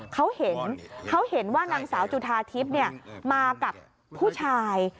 เขาเห็นเขาเห็นว่านางสาวจุธาทิพย์มากับผู้ชาย